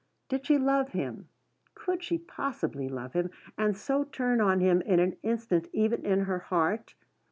Did she love him? Could she possibly love him, and so turn on him in an instant, even in her heart?